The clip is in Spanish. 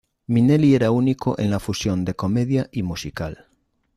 Minnelli era único en la fusión de comedia y musical.